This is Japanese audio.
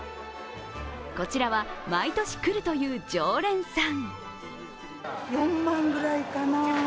こちらは毎年来るという常連さん。